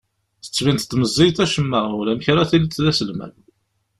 Tettbineḍ-d meẓẓiyeḍ acemma, ulamek ara tiliḍ d aselmad.